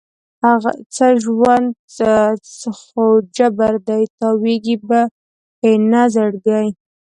څه دی ژوند؟ خو جبر دی، تاویږې به په نه زړګي